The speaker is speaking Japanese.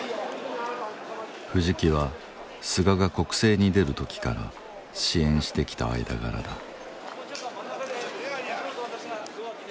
藤木は菅が国政に出る時から支援してきた間柄だ。